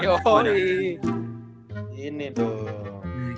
kok muka lu gak ada yuk